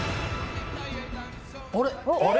あれ？